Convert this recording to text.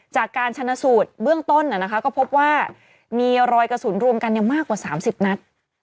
จากการชนะสูตรเบื้องต้นก็พบว่ามีรอยกระสุนรวมกันมากกว่า๓๐นัด